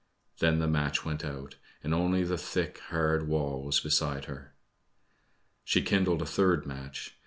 Then the match went out, and only the thick, hard wall was beside her. She kindled a third match.